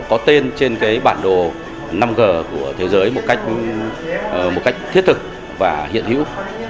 có tên trên bản đồ năm g của thế giới một cách thiết thực và hiện hữu